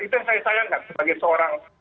itu yang saya sayangkan sebagai seorang